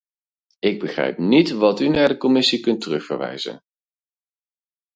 Ik begrijp niet wat u naar de commissie kunt terugverwijzen!